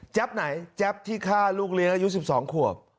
ไหนแจ๊บที่ฆ่าลูกเลี้ยงอายุ๑๒ขวบ